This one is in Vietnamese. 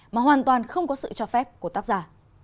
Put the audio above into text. mà hoàn toàn không có sự cho phép của tác giả